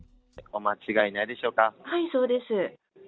はい、そうです。